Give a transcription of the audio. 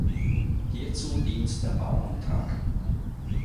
Hierzu dient der Bauantrag.